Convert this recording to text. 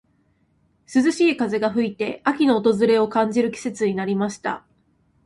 涼しい風が吹いて、秋の訪れを感じる季節になりました。